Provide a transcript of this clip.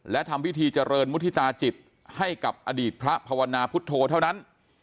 และทำพิธีเจริญมุฒิตาจิตให้กับอดีตพระภาวนาพุทธโธเท่านั้น